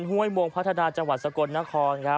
ห้วยมวงพัฒนาจังหวัดสะกดนคร